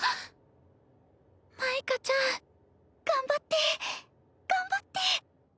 舞花ちゃん。頑張って頑張って。